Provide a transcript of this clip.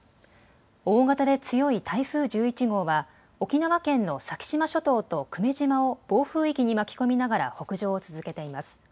大型で強い台風１１号は沖縄県の先島諸島と久米島を暴風域に巻き込みながら北上を続けています。